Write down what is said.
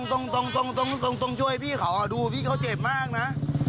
ตรงช่วยพี่เขาดูพี่เขาเจ็บมากนะ